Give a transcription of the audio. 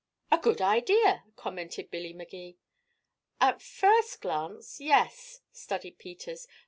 "A good idea," commented Billy Magee. "At first glance, yes," studied Peters.